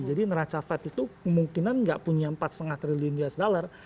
jadi ngeraca fed itu kemungkinan nggak punya empat lima triliun us dollar